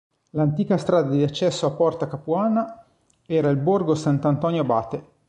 L'antica strada di accesso a Porta Capuana era il Borgo Sant'Antonio Abate.